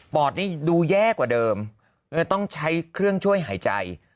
อดนี่ดูแย่กว่าเดิมต้องใช้เครื่องช่วยหายใจ